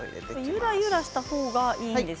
ゆらゆらした方がいいんですね。